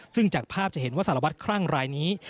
ซึ่งจากภาพจะเห็นว่าสารวัตรคลั่งรายนี้